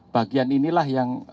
bagian inilah yang